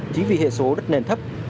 chỉ vì hệ số đất nền thấp